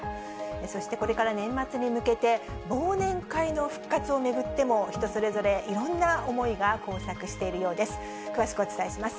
そしてこれから年末に向けて、忘年会の復活を巡っても、人それぞれ、いろんな思いが交錯しているようです。